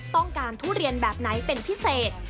ต้องการทุเรียนแบบไหนเป็นพิเศษ